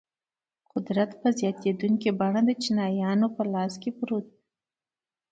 قدرت په زیاتېدونکي بڼه د چپیانو لاس ته پرېوت.